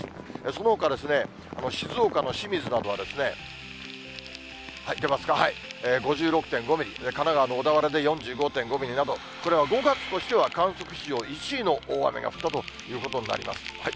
そのほか、静岡の清水などは、５６．５ミリ、神奈川の小田原で４５．５ミリなど、これは５月としては、観測史上１位の大雨が降ったということになります。